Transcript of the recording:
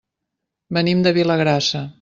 Venim de Vilagrassa.